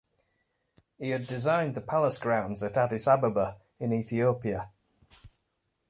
He had designed the palace grounds at Addis Ababa in Ethiopia.